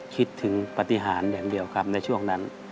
คิดถึงปฏิหารอย่างเดียวครับในช่วงนั้น